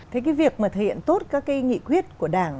thế cái việc mà thực hiện tốt các cái nghị quyết của đảng